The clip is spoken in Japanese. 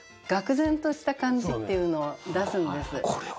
がく然とした感じっていうのを出すんです。